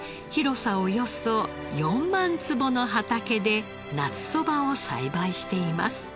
およそ４万坪の畑で夏そばを栽培しています。